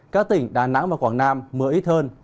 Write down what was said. các tỉnh đà nẵng và quảng nam mưa ít hơn